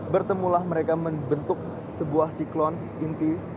bertemulah mereka membentuk sebuah siklon inti